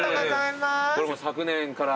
これはもう昨年から？